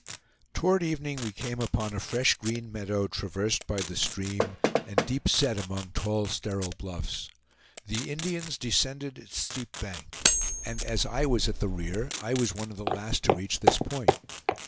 Toward evening we came upon a fresh green meadow, traversed by the stream, and deep set among tall sterile bluffs. The Indians descended its steep bank; and as I was at the rear, I was one of the last to reach this point.